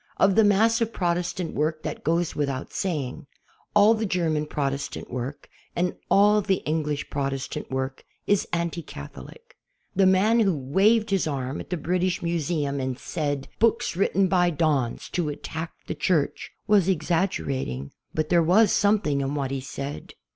Of the mass of Protestant work that goes without saying. .Ml the Ger man Protestant work and all the English Protestant work is anti Catholic. The man who waved his arm at the British Museum and said: "Piooks written by dons to attack the Church" was exaggerating, but there was something in what he said.